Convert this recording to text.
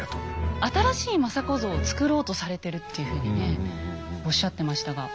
新しい政子像をつくろうとされてるっていうふうにねおっしゃってましたが。